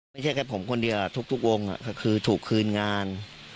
ไม่ใช่แค่ผมคนเดียวทุกวงก็คือถูกคืนงาน